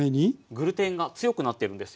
グルテンが強くなってるんですよ。